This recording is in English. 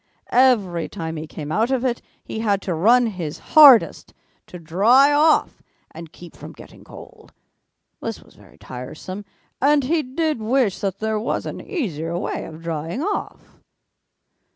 Every time he came out of it, he had to run his hardest to dry off and keep from getting cold. This was very tiresome and he did wish that there was an easier way of drying off.